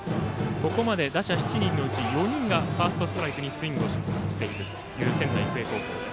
ここまで打者７人のうち４人がファーストストライクにスイングをしている仙台育英高校。